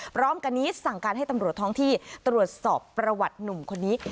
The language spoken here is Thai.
พร้อมกันนี้สั่งการให้ตำรวจท้องที่ตรวจสอบประวัติหนุ่มคนนี้